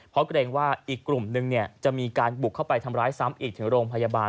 เพราะเกรงว่าอีกกลุ่มนึงจะมีการบุกเข้าไปทำร้ายซ้ำอีกถึงโรงพยาบาล